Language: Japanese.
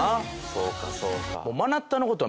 そうかそうか。